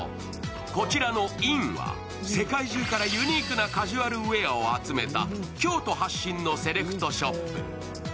こちらの印は世界中からユニークなカジュアルウェアを集めた京都発信のセレクトショップ。